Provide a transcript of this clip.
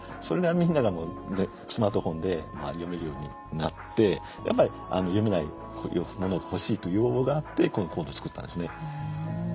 それがみんながスマートフォンで読めるようになって読めないものが欲しいという要望があってこのコードを作ったんですね。